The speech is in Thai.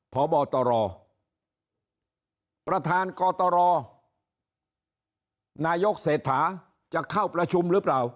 พบตรประธานกตรนายกเศรษฐาจะเข้าประชุมหรือเปล่า